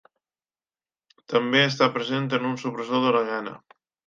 També està present en un supressor de la gana.